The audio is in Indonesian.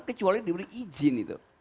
kecuali diberi izin